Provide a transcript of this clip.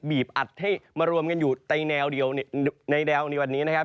อัดให้มารวมกันอยู่ในแนวเดียวในแนวในวันนี้นะครับ